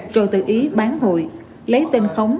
rồi tự ý bán hội lấy tên khống